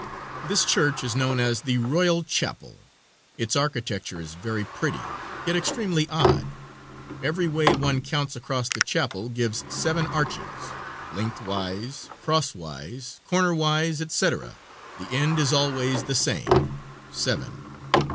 This church is known as the Royal Chapel. Its architecture is very pretty, yet extremely odd. Every way one counts across the chapel gives seven arches lengthwise, cross wise, cornerwise, etc., the end is always the same seven.